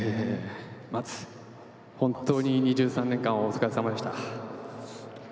松、本当に２３年間お疲れさまでした。